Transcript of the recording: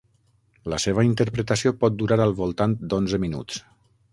La seva interpretació pot durar al voltant d'onze minuts.